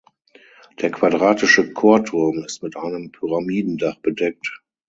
Der quadratische Chorturm ist mit einem Pyramidendach bedeckt.